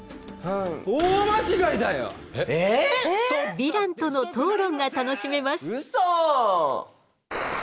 ヴィランとの討論が楽しめます。